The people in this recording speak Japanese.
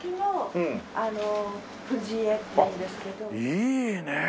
いいねえ。